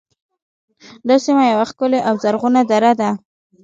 دا سیمه یوه ښکلې او زرغونه دره ده